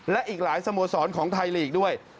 และอีกหลายสโมสรของไทยลีกด้วย